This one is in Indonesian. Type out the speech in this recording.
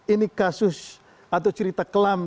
ini kasus atau cerita kelam